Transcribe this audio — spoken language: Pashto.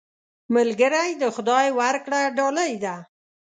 ملګری د خدای ورکړه ډالۍ ده